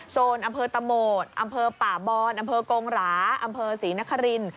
โซนอำเภอตะโหมดอำเภอป่าบอนอำเภอกงหราอำเภอศรีนคริน